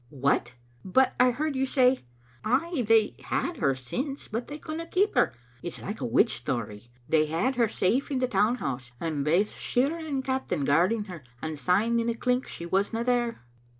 " What ! But I heard you say "" Ay, they had her aince, but they couldna keep her. It's like a witch story. They had her safe in the town* house, and baith shirra and captain guarding her, and S3me in a clink she wasna there.